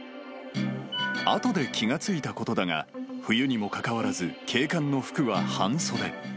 あとで気が付いたことだが、冬にもかかわらず、警官の服は半袖。